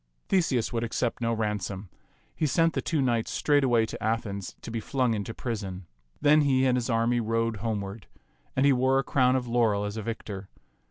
Theseus would ac cept no ransom. He sent the two knights straightway to Athens to be flung into prison. Then he and his army rode homeward, and he wore a crow^n of laurel as a victor.